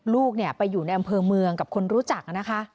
ลูกไปอยู่ในอำเภอเมืองกับคนรู้จักนะคะ